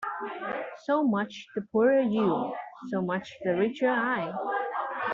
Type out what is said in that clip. So much the poorer you; so much the richer I!